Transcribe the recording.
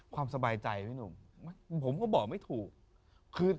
ความสบายใจไหมหนูผมก็บอกไม่ถูก